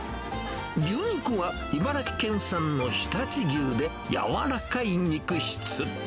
牛肉は、茨城県産の常陸牛で、やわらかい肉質。